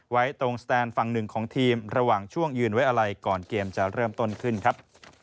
ไว้ตรงสแตนฝั่งหนึ่งของทีมระหว่างช่วงยืนไว้อะไรก่อนเกมจะเริ่มต้นขึ้นครับ